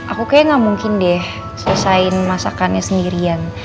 aku kayaknya gak mungkin deh selesaiin masakannya sendirian